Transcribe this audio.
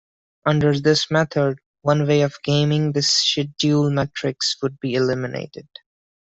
Under this method, one way of gaming the schedule metrics would be eliminated.